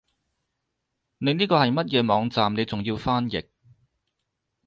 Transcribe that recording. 你呢個係乜嘢網站你仲要用翻譯